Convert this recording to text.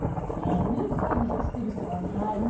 もう見るからにしっとりしてます。